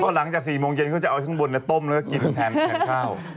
ก็พอหลังจาก๔โมงเย็นก็จะเอาข้างบนในต้มแล้วกินแทนข้าว